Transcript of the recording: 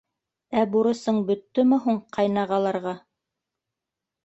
— Ә бурысың бөттөмө һуң ҡайнағаларға?